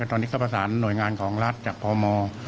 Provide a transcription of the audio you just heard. ตอนนี้ก็ประสานหน่วยงานของราศจากพอร์มอล์